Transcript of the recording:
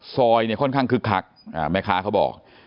ซอยเนี่ยค่อนข้างคึกคักแม่ค้าเขาบอก